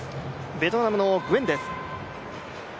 ベトナムの、グエンです。